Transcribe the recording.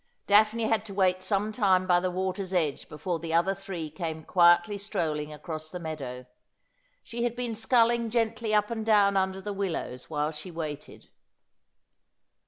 Daphne had to wait some time by the water's edge before the other three came quietly strolling across the meadow. She had been sculling gently up and down under the willows while she waited.